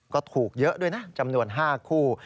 ก็ถูกเยอะด้วยนะจำนวน๕คู่